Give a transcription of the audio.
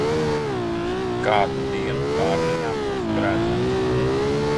Kādu dienu kārbiņā būs gredzens.